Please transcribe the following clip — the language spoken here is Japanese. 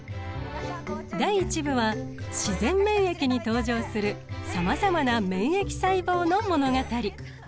第１部は「自然免疫」に登場するさまざまな免疫細胞の物語。